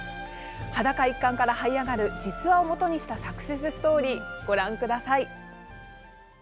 裸一貫から、はい上がる実話をもとにしたサクセスストーリーご覧ください。